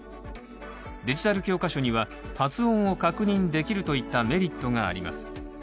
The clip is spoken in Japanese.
デジタル教科書には発音を確認できるといったメリットがあります。